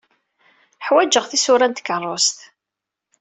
Ḥwajeɣ tisura n tkeṛṛust.